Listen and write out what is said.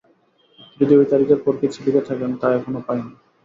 যদি ঐ তারিখের পর কিছু লিখে থাকেন, তা এখনও পাইনি।